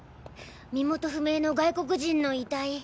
身元不明の外国人の遺体。